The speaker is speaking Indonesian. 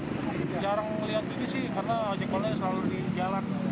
saya jarang melihat begini sih karena cikgu selalu di jalan